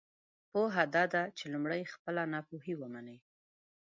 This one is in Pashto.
پوهه دا ده چې لمړی خپله ناپوهۍ ومنی!